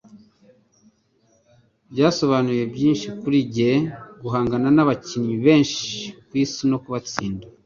Byasobanuye byinshi kuri njye guhangana nabakinnyi beza kwisi no kubatsinda.